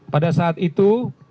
pada saat itu